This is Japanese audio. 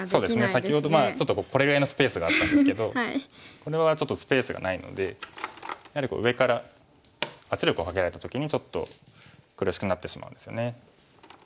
先ほどこれぐらいのスペースがあったんですけどこれはちょっとスペースがないのでやはり上から圧力をかけられた時にちょっと苦しくなってしまうんですよね。